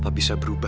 gue balik dulu ya